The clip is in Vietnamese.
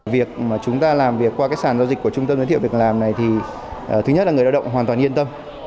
việc mà chúng ta làm việc qua cái sàn giao dịch của trung tâm giới thiệu việc làm này thì thứ nhất là người lao động hoàn toàn yên tâm